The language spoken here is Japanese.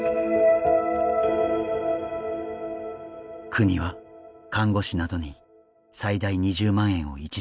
国は看護師などに最大２０万円を一時給付。